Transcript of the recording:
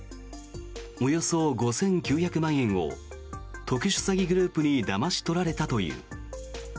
およそ５９００万円を特殊詐欺グループにだまし取られたという。